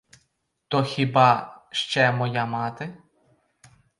То хіба ще моя мати?